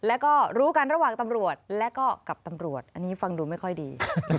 แล้วก็รู้กันระหว่างตำรวจและก็กับตำรวจอันนี้ฟังดูไม่ค่อยดี